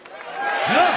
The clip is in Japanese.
なっ？